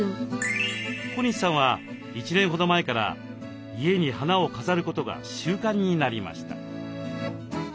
小西さんは１年ほど前から家に花を飾ることが習慣になりました。